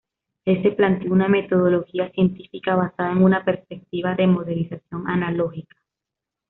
Hesse planteó una metodología científica basada en una perspectiva de modelización analógica.